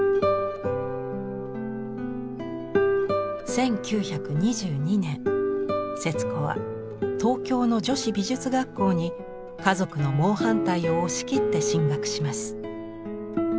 １９２２年節子は東京の女子美術学校に家族の猛反対を押し切って進学します。